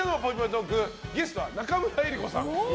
トークゲストは中村江里子さん。